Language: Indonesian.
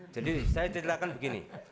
jadi saya cita cita akan begini